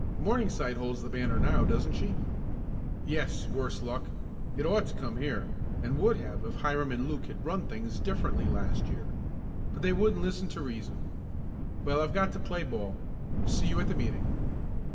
"Morningside holds the banner now, doesn't she?" "Yes, worse luck. It ought to come here, and would have if Hiram and Luke had run things differently last year. But they wouldn't listen to reason. Well, I've got to play ball. See you at the meeting."